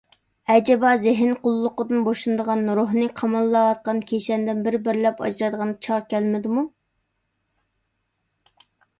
ئەجىبا زېھىن قۇللۇقىدىن بوشىنىدىغان، روھنى قاماللاۋاتقان كىشەندىن بىر بىرلەپ ئاجرايدىغان چاغ كەلمىدىمۇ؟